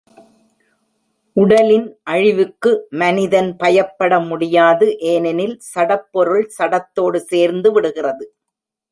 உடலின் அழிவுக்கு மனிதன் பயப்பட முடியாது ஏனெனில் சடப்பொருள் சடத்தோடு சேர்ந்து விடுகிறது.